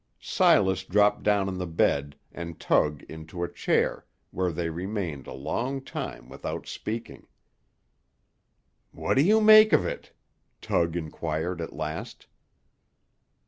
Silas dropped down on the bed, and Tug into a chair, where they remained a long time without speaking. "What do you make of it?" Tug inquired at last.